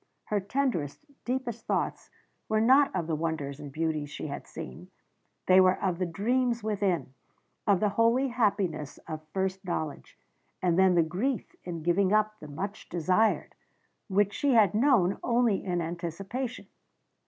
Her tenderest, deepest thoughts were not of the wonders and beauties she had seen; they were of the dreams within, of the holy happiness of first knowledge, and then the grief in giving up the much desired, which she had known only in anticipation.